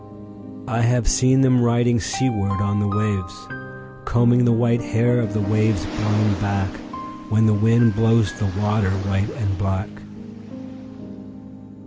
I have seen them riding seaward on the wavesCombing the white hair of the waves blown backWhen the wind blows the water white and black.